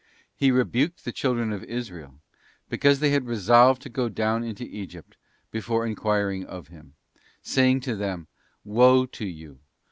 He rebuked the children of Israel, because they had resolved to go down into Egypt before enquiring of Him, saying to them, 'Woe to you...